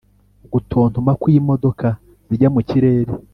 gutontoma kw'imodoka zijya mu kirere;